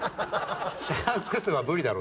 シャンクスは無理だろ。